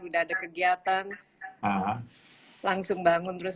udah ada kegiatan langsung bangun terus